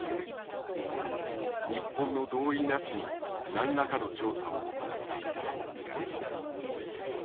日本の同意なしに何らかの調査を行っていたと見られる。